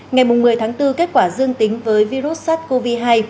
ngày một mươi tháng bốn kết quả dương tính với virus sars cov hai